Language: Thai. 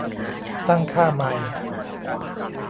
ตั้งค่าใหม่